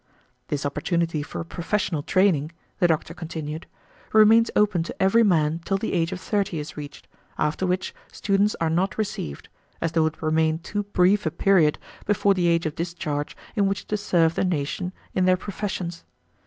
"This opportunity for a professional training," the doctor continued, "remains open to every man till the age of thirty is reached, after which students are not received, as there would remain too brief a period before the age of discharge in which to serve the nation in their professions.